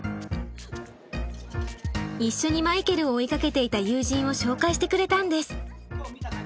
一緒にマイケルを追いかけていた友人を紹介してくれたんです。